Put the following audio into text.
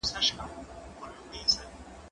زه به سبا ښوونځی ته ځم وم!.